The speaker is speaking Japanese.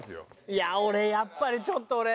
いや俺やっぱりちょっと俺。